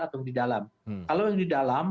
atau di dalam kalau yang di dalam